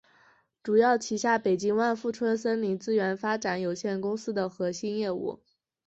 主要旗下北京万富春森林资源发展有限公司核心业务。